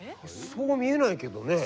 そうは見えないけどね。